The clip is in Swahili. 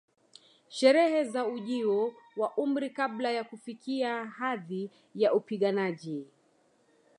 Sherehe za ujio wa umri kabla ya kufikia hadhi ya upiganaji